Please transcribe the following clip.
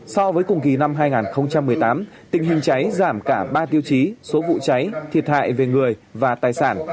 so với cùng kỳ năm hai nghìn một mươi tám tình hình cháy giảm cả ba tiêu chí số vụ cháy thiệt hại về người và tài sản